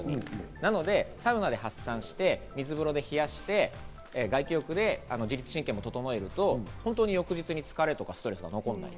サウナで発散して、水風呂で冷やして外気浴で自律神経も整えると、本当に翌日に疲れとかストレスが残らない。